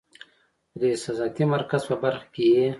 خو د احساساتي مرکز پۀ برخه کې ئې